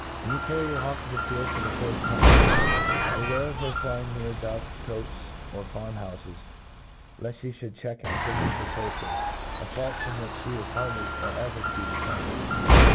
WHEN you carry your hawk to the field for the firft time, beware of flying her near dove cotes or farm houfes, left flic fliould check at p)gcQPS or poultry ; a fault from which flie i$ hardly or ever to be reclaimed.